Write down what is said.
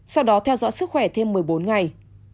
sau đó theo dõi sức khỏe thêm một mươi bốn ngày